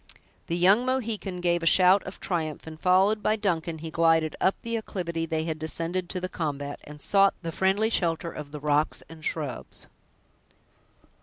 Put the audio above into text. The young Mohican gave a shout of triumph, and followed by Duncan, he glided up the acclivity they had descended to the combat, and sought the friendly shelter of the rocks and shrubs.